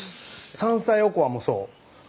山菜おこわもそう。